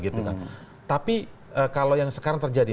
tapi kalau yang sekarang terjadi